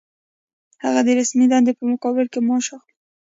هغه د رسمي دندې په مقابل کې معاش اخلي.